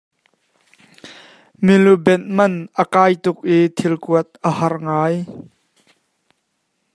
Milubenh man a kai tuk i thil kuat a har ngai.